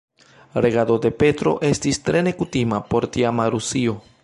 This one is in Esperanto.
Regado de Petro estis tre nekutima por tiama Rusio.